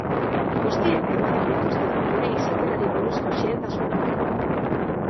Guztiek ematen dituzte gure izakerari buruzko xehetasunak.